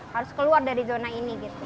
harus keluar dari zona ini gitu